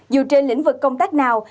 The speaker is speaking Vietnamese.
dù trên lĩnh vực công tác nào